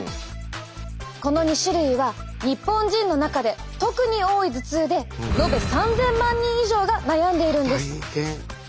この２種類は日本人の中で特に多い頭痛でのべ３，０００万人以上が悩んでいるんです。